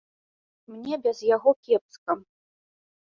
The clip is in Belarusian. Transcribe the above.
Мне без яго кепска.